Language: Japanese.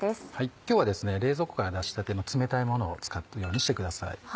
今日はですね冷蔵庫から出したての冷たいものを使うようにしてください。